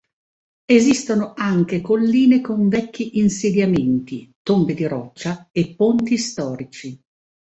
Esistono anche colline con vecchi insediamenti, tombe di roccia e ponti storici.